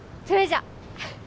それじゃ。